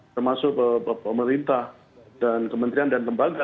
termasuk pemerintah dan kementerian dan lembaga